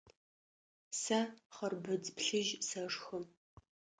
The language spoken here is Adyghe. Сэ хъырбыдз плъыжь сэшхы.